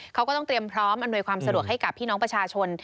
เขาก็ต้องเตรียมพร้อมอำนวยความสะดวกให้กับพี่น้องประชาชน